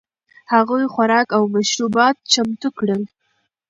هغوی خوراک او مشروبات چمتو کړل.